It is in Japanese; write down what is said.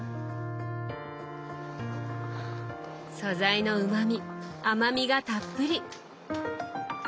素材のうまみ甘みがたっぷり！